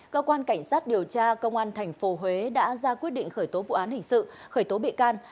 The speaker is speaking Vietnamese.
cơ quan cảnh sát điều tra công an tp huế đã ra quyết định khởi tố vụ án hình sự khởi tố bị can